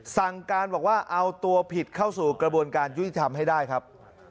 สั่งการบอกว่าเอาตัวผิดเข้าสู่กระบวนการยุติธรรมให้ได้ครับ